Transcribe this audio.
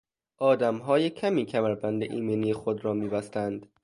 آدمهای کمی کمربند ایمنی خود را میبستند